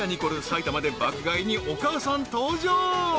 埼玉で爆買いにお母さん登場］